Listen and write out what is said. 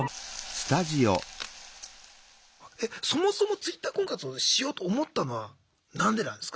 えっそもそもＴｗｉｔｔｅｒ婚活をしようと思ったのは何でなんですか？